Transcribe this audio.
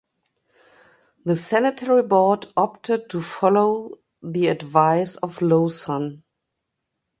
The Sanitary Board opted to follow the advice of Lowson.